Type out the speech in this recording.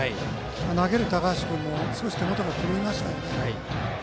投げる高橋君も、少し手元が狂いましたよね。